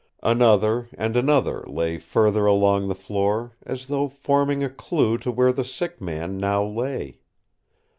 Another and another lay further along the floor, as though forming a clue to where the sick man now lay.